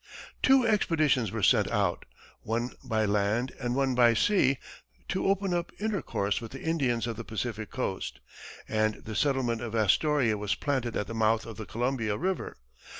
Two expeditions were sent out, one by land and one by sea, to open up intercourse with the Indians of the Pacific coast, and the settlement of Astoria was planted at the mouth of the Columbia river.